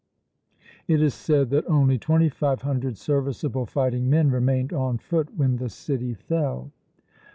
It is said that only twenty five hundred serviceable fighting men remained on foot when the city fell.